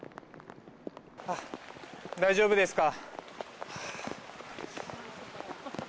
大丈夫ですか。